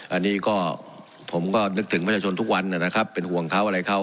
อันนี้ก็ผมก็นึกถึงประชาชนทุกวันนะครับเป็นห่วงเขาอะไรเขา